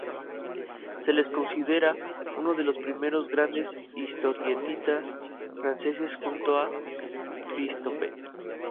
Se le considera uno de los primeros grandes historietistas franceses, junto a Christophe.